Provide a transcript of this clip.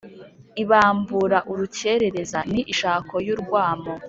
ibambura urukerereza. ni ishako y’urwamo